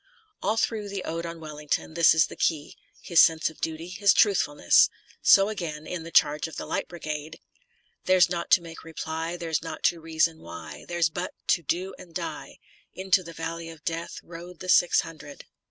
All through the Ode on Wellington this is the key — ^his sense of duty, his truthfulness. So again in the " Charge of the Light Brigade ": Theirs not to male reply, Theirs not to reason why, Theirs but to do and die : Into the Valley of Death Rode the six hundred.